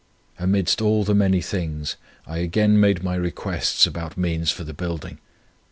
Amidst all the many things I again made my requests about means for the Building.